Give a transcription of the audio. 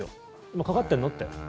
今かかってるの？って。